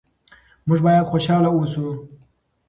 موږ باید خوشحاله اوسو.